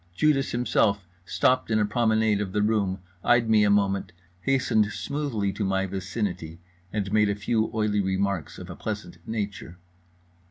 Judas himself stopped in a promenade of the room, eyed me a moment, hastened smoothly to my vicinity, and made a few oily remarks of a pleasant nature.